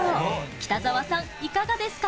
北澤さん、いかがですか？